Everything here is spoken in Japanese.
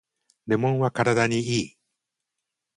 レモンは体にいい